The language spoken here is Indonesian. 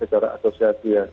secara asosiasi ya